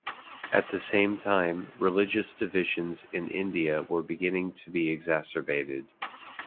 At the same time, religious divisions in India were beginning to be exacerbated.